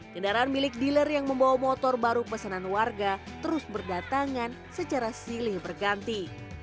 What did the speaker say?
kendaraan milik dealer yang membawa motor baru pesanan warga terus berdatangan secara silih berganti